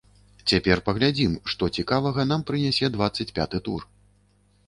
Цяпер паглядзім, што цікавага нам прынясе дваццаць пяты тур!